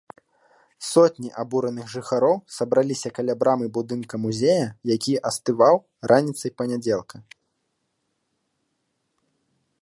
Сотні абураных жыхароў сабраліся каля брамы будынка музея, які астываў, раніцай панядзелка.